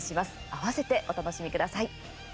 合わせてお楽しみください。